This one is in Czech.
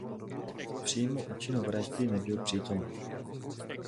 Přímo u činu vraždy nebyl přítomen.